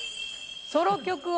ソロ曲を。